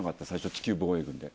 地球防衛軍で。